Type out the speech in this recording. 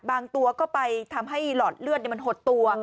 บางตัวก็ไปทำให้หลอดเลือดมันหดตัว